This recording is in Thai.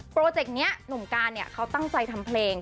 เจกต์นี้หนุ่มการเนี่ยเขาตั้งใจทำเพลง